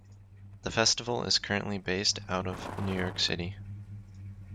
The Festival is currently based out of New York City.